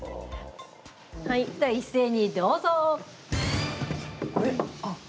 では一斉に、どうぞ。